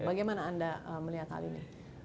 bagaimana anda melihat hal ini